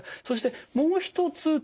そしてもう一つ